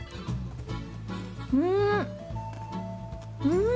うん！